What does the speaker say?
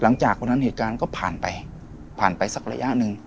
หลังจากวันนั้นเหตุการณ์ก็ผ่านไปผ่านไปสักระยะหนึ่ง